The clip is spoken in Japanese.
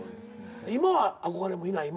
今憧れもいない？